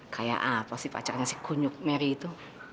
kayak apa sih pacarnya si kunyuk mary itu